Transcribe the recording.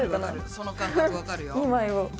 その感覚わかるよ。